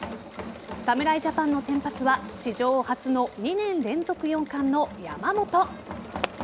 侍ジャパンの先発は史上初の２年連続４冠の山本。